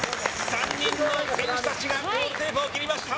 ３人の選手たちがゴールテープを切りました！